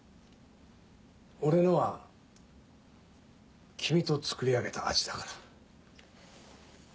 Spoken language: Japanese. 俺のは君と作り上げた味だから。